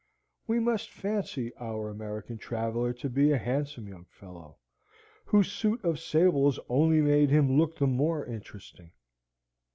We must fancy our American traveller to be a handsome young fellow, whose suit of sables only made him look the more interesting.